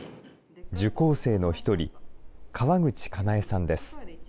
受講生の一人、川口佳奈枝さんです。